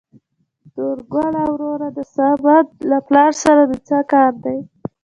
نورګله وروره د سمد له پلار سره د څه کار دى ؟